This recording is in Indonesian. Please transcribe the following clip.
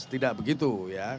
tidak begitu ya